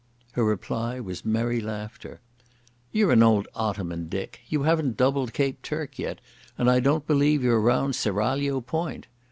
Her reply was merry laughter. "You're an old Ottoman, Dick. You haven't doubled Cape Turk yet, and I don't believe you're round Seraglio Point.